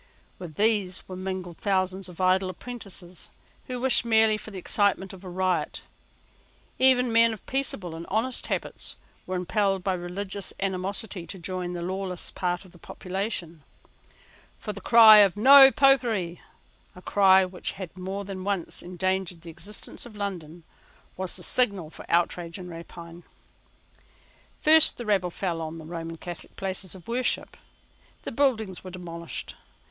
With these were mingled thousands of idle apprentices, who wished merely for the excitement of a riot. Even men of peaceable and honest habits were impelled by religious animosity to join the lawless part of the population. For the cry of No Popery, a cry which has more than once endangered the existence of London, was the signal for outrage and rapine. First the rabble fell on the Roman Catholic places of worship. The buildings were demolished.